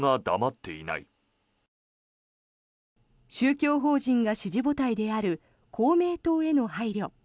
宗教法人が支持母体である公明党への配慮。